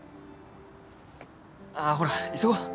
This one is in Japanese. あっほら急ごう。